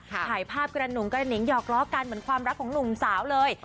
ถ่ายภาพกระหนุงกระหิงหยอกล้อกันเหมือนความรักของหนุ่มสาวเลย